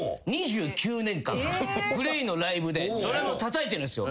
ＧＬＡＹのライブでドラムをたたいてるんすよ。